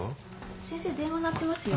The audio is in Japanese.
先生電話鳴ってますよ。